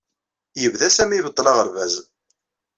Yebda Sami ibeṭṭel aɣerbaz.